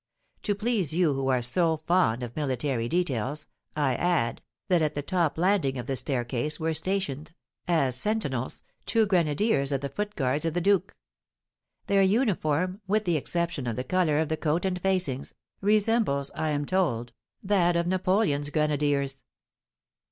To please you who are so fond of military details, I add, that at the top landing of the staircase were stationed, as sentinels, two grenadiers of the foot guards of the duke. Their uniform, with the exception of the colour of the coat and facings, resembles, I am told, that of Napoleon's grenadiers.